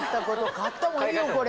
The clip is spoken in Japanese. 買った方がいいよこれ。